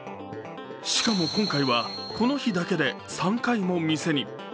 しかも今回は、この日だけで３回も店に。